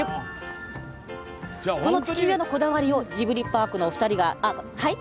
この地球屋のこだわりをジブリパークのお二人が。